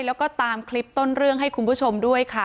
แล้วก็ตามคลิปต้นเรื่องให้คุณผู้ชมด้วยค่ะ